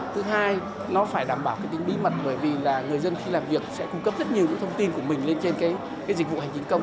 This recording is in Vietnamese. thứ hai nó phải đảm bảo cái tính bí mật bởi vì là người dân khi làm việc sẽ cung cấp rất nhiều những thông tin của mình lên trên cái dịch vụ hành chính công